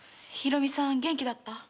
ヒロミさん元気だった？